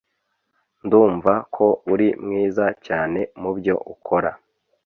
Ndumva ko uri mwiza cyane mubyo ukora